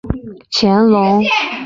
乾隆十年进士。